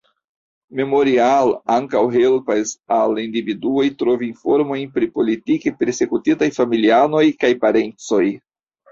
Memorial ankaŭ helpas al individuoj trovi informojn pri politike persekutitaj familianoj kaj parencoj.